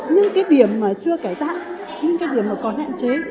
nhưng cái điểm mà chưa cải tạo những cái điểm mà còn hạn chế